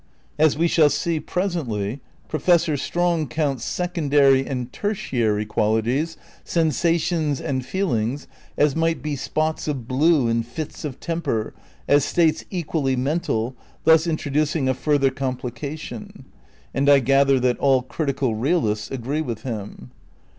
(As we shall see presently, Professor Strong counts secondary and tertiary qualities, sensations and feelings, as might be spots of blue and fits of temper, as states equally mental, thus introducing a further com plication. And I gather that all critical realists agree with him.)